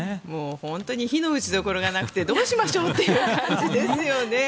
本当に非の打ちどころがなくてどうしましょうという感じですよね。